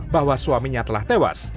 bahwa suaminya telah tewas